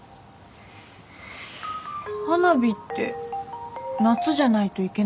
花火って夏じゃないといけないんですか？